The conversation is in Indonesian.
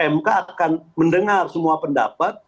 mk akan mendengar semua pendapat